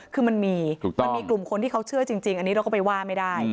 คือมันมีมันมีกลุ่มคนที่เขาเชื่อจริงอันนี้เราก็ไปว่าไม่ได้